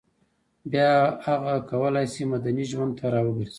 بیا هغه کولای شي مدني ژوند ته راوګرځي